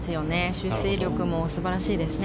修正力も素晴らしいですね。